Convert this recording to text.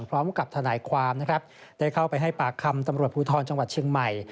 พร้อมกับทนายความนะครับได้เข้าไปให้ปากคำตำรวจภูทรจังหวัดเชียงใหม่